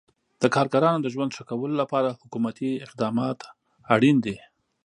د کارګرانو د ژوند ښه کولو لپاره حکومتي اقدامات اړین دي.